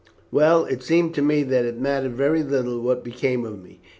"Well, it seemed to me that it mattered very little what became of me.